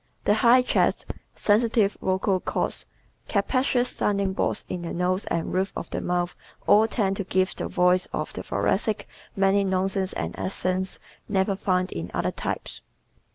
The high chest, sensitive vocal cords, capacious sounding boards in the nose and roof of the mouth all tend to give the voice of the Thoracic many nuances and accents never found in other types.